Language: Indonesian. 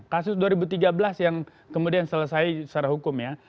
kasus dua ribu tiga belas yang kemudian selesai secara hukum ya